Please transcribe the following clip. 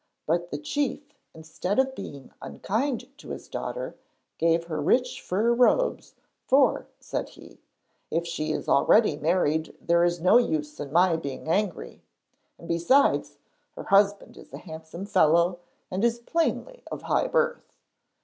But the chief, instead of being unkind to his daughter, gave her rich fur robes; 'for,' said he, 'if she is already married there is no use in my being angry; and besides, her husband is a handsome fellow and is plainly of high birth.'